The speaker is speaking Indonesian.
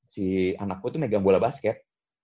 si anak gue tuh megang bola basket